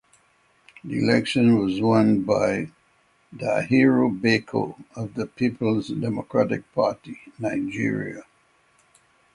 The election was won by Dahiru Bako of the Peoples Democratic Party (Nigeria).